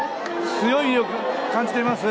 強い揺れを感じています。